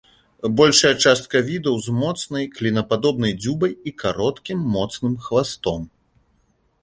Большая частка відаў з моцнай, клінападобнай дзюбай і кароткім, моцным хвастом.